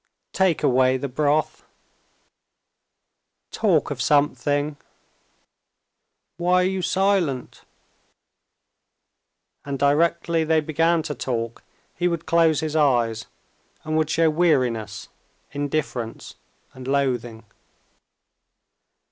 Take away the broth. Talk of something: why are you silent?" And directly they began to talk he would close his eyes, and would show weariness, indifference, and loathing.